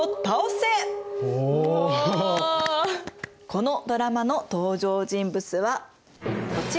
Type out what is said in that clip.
このドラマの登場人物はこちら。